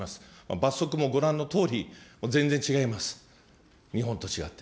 罰則もご覧のとおり、全然違います、日本と違って。